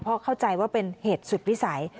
เพราะเข้าใจว่าเป็นเหตุสุดวิสัย